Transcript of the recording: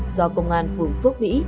do công an hường phước mỹ